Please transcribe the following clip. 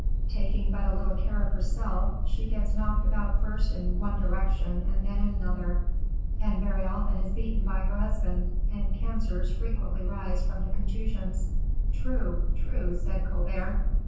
Taking but little care of herself, she gets knocked about first in one direction, and then in another, and very often is beaten by her husband, and cancers frequently rise from contusions." "True, true," said Colbert.